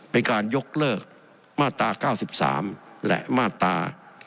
เป็นการยกเลิกมาตรา๙๓และมาตรา